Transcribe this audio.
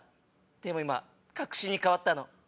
でも今確信に変わったの。